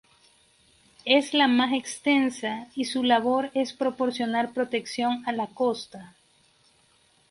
Es la más extensa y su labor es proporcionar protección a la costa.